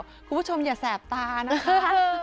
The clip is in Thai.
คุณผู้ชมอย่าแสบตานะคะ